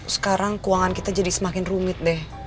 sekarang keuangan kita jadi semakin rumit deh